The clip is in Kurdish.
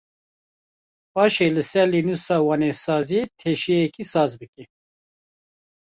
Paşê li ser lênûsa wênesaziyê teşeyekî saz bike.